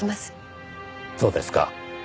そうですか。